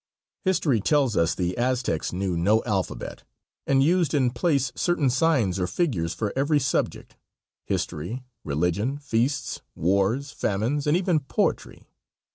History tells us the Aztecs knew no alphabet, and used in place certain signs or figures for every subject history, religion, feasts, wars, famines, and even poetry.